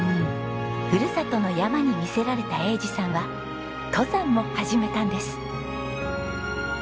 ふるさとの山に魅せられた栄治さんは登山も始めたんです。